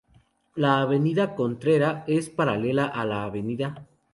La Avenida Costanera es paralela a la Av.